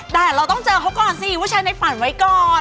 ได้เราต้องเจอกันก่อนซิว่าใช้ในฝันไว้ก่อน